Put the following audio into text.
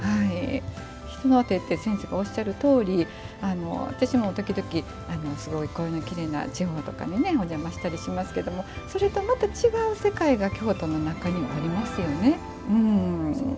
人の手って先生がおっしゃるとおり私も時々こういうきれいなところにお邪魔したりしますけどそれと、また違う世界が京都の中にもありますよね。